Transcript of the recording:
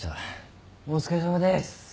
お疲れさまです。